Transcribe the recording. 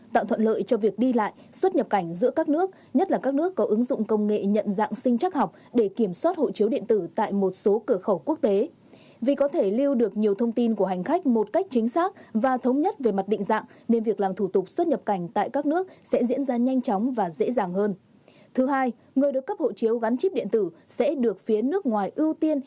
thứ hai người được cấp hộ chiếu gắn chip điện tử sẽ được phía nước ngoài ưu tiên